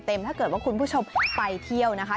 ถ้าเกิดว่าคุณผู้ชมไปเที่ยวนะคะ